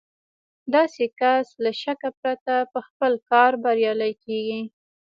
داسې کس له شکه پرته په خپل کار بريالی کېږي.